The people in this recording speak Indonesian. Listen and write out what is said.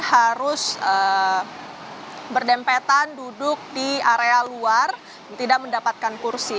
harus berdempetan duduk di area luar tidak mendapatkan kursi